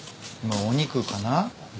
お肉かな？